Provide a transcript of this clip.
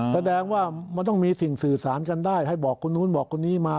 แสดงว่ามันต้องมีสิ่งสื่อสารกันได้ให้บอกคนนู้นบอกคนนี้มา